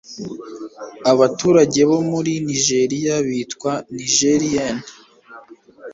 Abaturage bo muri Nigeria bitwa Nigerien